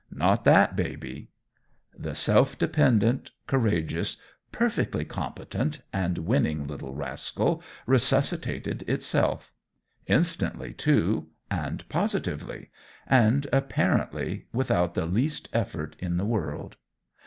Not that baby! The self dependent, courageous, perfectly competent and winning little rascal resuscitated itself. Instantly, too and positively and apparently without the least effort in the world.